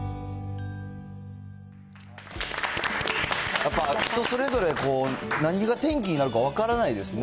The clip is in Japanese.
やっぱ人それぞれ、何が転機になるか分からないですね。